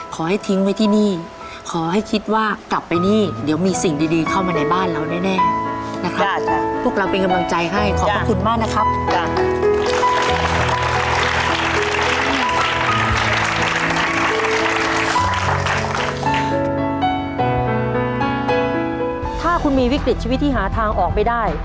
ขอให้ทิ้งไว้ที่นี่ขอให้คิดว่ากลับไปนี่เดี๋ยวมีสิ่งดีเข้ามาในบ้านเราแน่